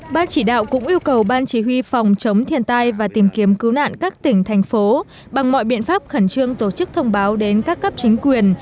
ban chỉ đạo cũng yêu cầu ban chỉ huy phòng chống thiên tai và tìm kiếm cứu nạn các tỉnh thành phố bằng mọi biện pháp khẩn trương tổ chức thông báo đến các cấp chính quyền